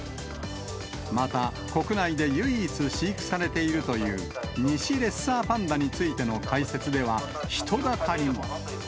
また国内で唯一、飼育されているというニシレッサーパンダについての解説では、人だかりも。